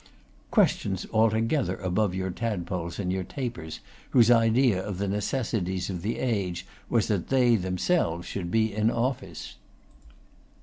Questions altogether above your Tadpoles and your Tapers, whose idea of the necessities of the age was that they themselves should be in office.